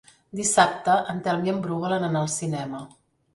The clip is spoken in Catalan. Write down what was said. Dissabte en Telm i en Bru volen anar al cinema.